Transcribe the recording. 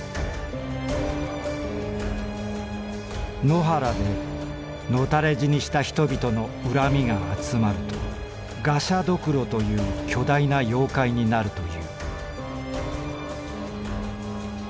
「野原でのたれ死にした人びとの恨みが集まるとがしゃどくろという巨大な妖怪になるという」。